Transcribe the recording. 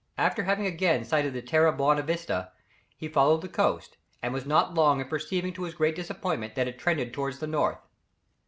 After having again sighted the Terra Bona vista, he followed the coast, and was not long in perceiving to his great disappointment that it trended towards the north.